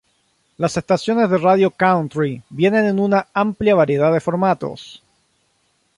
Las estaciones de radio country vienen en una amplia variedad de formatos.